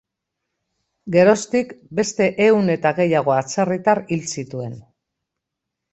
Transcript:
Geroztik beste ehun eta gehiago atzerritar hil zituen.